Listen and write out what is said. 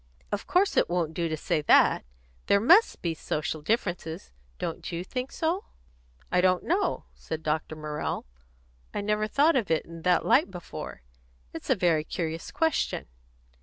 "Of course it won't do to say that. There must be social differences. Don't you think so?" "I don't know," said Dr. Morrell. "I never thought of it in that light before. It's a very curious question."